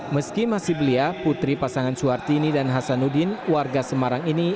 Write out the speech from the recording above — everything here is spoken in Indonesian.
meski masih belia putri pasangan suhartini dan hasanuddin warga semarang ini